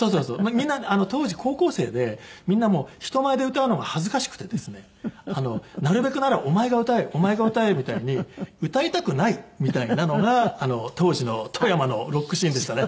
みんな当時高校生でみんな人前で歌うのが恥ずかしくてですねなるべくなら「お前が歌えお前が歌え」みたいに歌いたくないみたいなのが当時の富山のロックシーンでしたね。